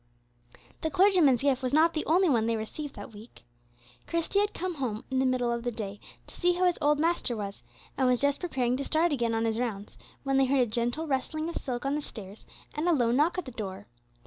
The clergyman's gift was not the only one they received that week. Christie had come home in the middle of the day, to see how his old master was, and was just preparing to start again on his rounds when they heard a gentle rustling of silk on the stairs, and a low knock at the door.